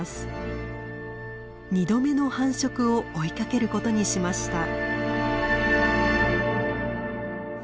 ２度目の繁殖を追いかけることにしました。